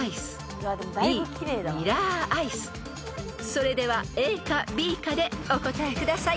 ［それではＡかＢかでお答えください］